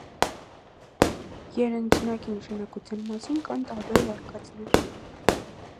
Երնջնակի նշանակության մասին կան տարբեր վարկածներ։